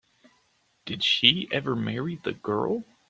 Did she ever marry the girl?